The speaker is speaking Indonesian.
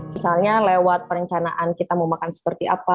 misalnya lewat perencanaan kita mau makan seperti apa